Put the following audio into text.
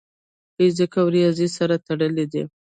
فزیک او ریاضي سره تړلي دي.